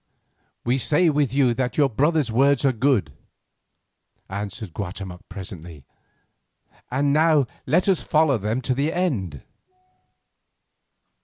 "We say with you that our brother's words are good," answered Guatemoc presently, "and now let us follow them to the end."